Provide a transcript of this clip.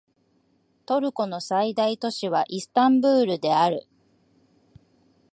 トルコの最大都市はイスタンブールである